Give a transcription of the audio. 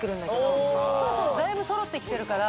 おおそうそうだいぶ揃ってきてるから・